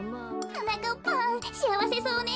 はなかっぱんしあわせそうね。